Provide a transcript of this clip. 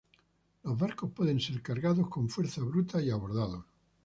Los barcos pueden ser cargados con fuerza bruta y abordados.